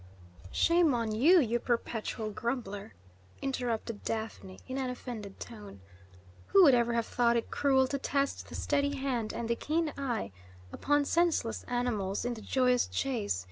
'" "Shame on you, you perpetual grumbler," interrupted Daphne in an offended tone. "Who would ever have thought it cruel to test the steady hand and the keen eye upon senseless animals in the joyous chase?